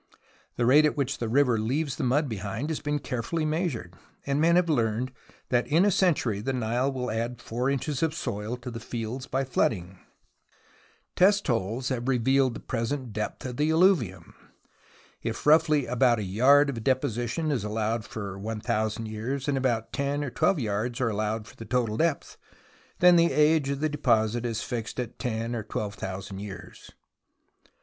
The rate at which the river leaves the mud behind has been carefully measured, and men have learned that in a century the Nile will add 4 inches of soil to the fields by flooding. THE ROMANCE OF EXCAVATION 45 Test holes have revealed the present depth of the alluvial, and if roughly about a yard of deposition is allowed for one thousand years, and about lo or 12 yards are allowed for the depth, then the age of the deposit is fixed at ten or twelve thousand years.